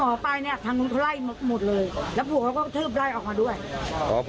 แล้วผัวเขาก็เทิบไล่ออกมาด้วย